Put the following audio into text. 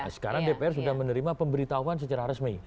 sekarang dpr sudah menerima pemberitahuan secara resmi